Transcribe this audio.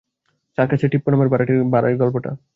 সার্কাসে টিপ্পো নামের ভাঁড়ের গল্পটা।